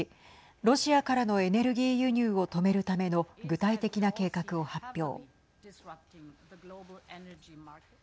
ロシアからのエネルギー輸入を止めるための具体的な計画を発表。